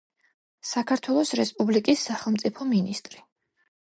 საქართველოს რესპუბლიკის სახელმწიფო მინისტრი.